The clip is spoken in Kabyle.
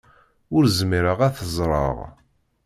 Ur zmireɣ ad t-ẓreɣ.